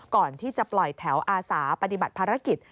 ก่อนที่จะปล่อยแถวอาสาปฏิบัติภารกิจ